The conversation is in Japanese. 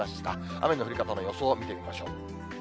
雨の降り方の予想を見てみましょう。